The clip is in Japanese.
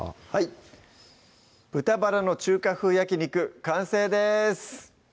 「豚バラの中華風焼肉」完成です